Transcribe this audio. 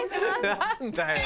何だよ。